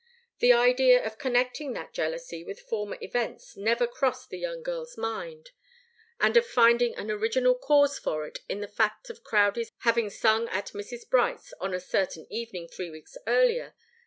The idea of connecting that jealousy with former events never crossed the young girl's mind, and of finding an original cause for it in the fact of Crowdie's having sung at Mrs. Bright's on a certain evening three weeks earlier.